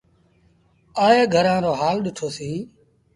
آئي گھرآݩ رو هآل ڏٺو سيٚݩ۔